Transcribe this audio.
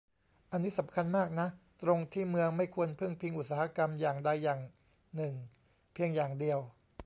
อันนี้สำคัญมากนะ ตรงที่เมืองไม่ควรพึ่งพิงอุตสาหกรรมอย่างใดอย่างหนึ่งเพียงอย่างเดียว